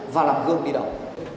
và làm gương đi động